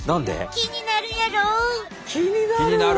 気になるやろ？